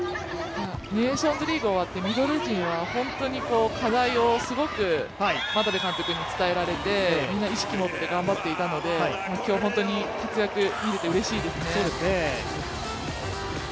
ネーションズリーグが終わって、ミドル陣は課題をすごく眞鍋監督に伝えられて、みんな、意識を持って頑張っていたので今日、本当に活躍が見られてうれしいですね。